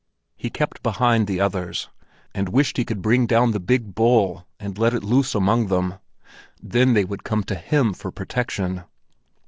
He kept behind the others, and wished he could bring down the big bull and let it loose among them. Then they would come to him for protection.